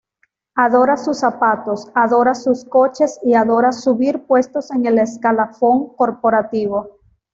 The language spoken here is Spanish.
Adora sus zapatos, adora sus coches y adora subir puestos en el escalafón corporativo.